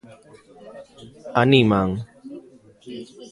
Animan.